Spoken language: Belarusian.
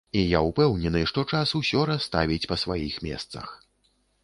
І я ўпэўнены, што час усё расставіць па сваіх месцах.